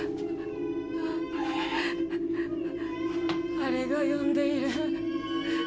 あれが呼んでいる。